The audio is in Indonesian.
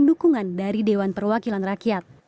dukungan dari dewan perwakilan rakyat